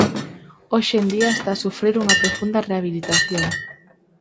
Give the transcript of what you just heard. Hoxe en día está a sufrir unha profunda rehabilitación.